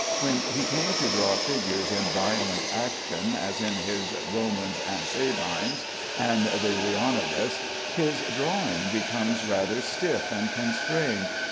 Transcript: When he came to draw figures in violent action, as in his "Romans and Sabines" and the "Leonidas," his drawing becomes rather stiff and constrained.